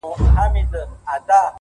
تیاره مالت وي پکښي خیر و شر په کاڼو ولي؛